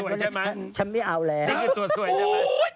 นี่คือตัวสวยใช่มั้ง